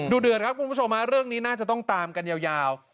เดือดครับคุณผู้ชมเรื่องนี้น่าจะต้องตามกันยาว